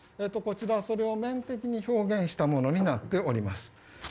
そちらを面的に表現したものになっております。